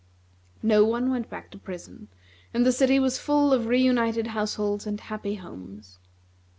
No one went back to prison, and the city was full of re united households and happy homes.